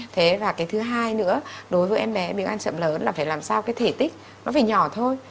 thế và cái thứ hai nữa đối với em bé ăn chậm lớn là phải làm sao cái thể tích nó phải nhỏ thôi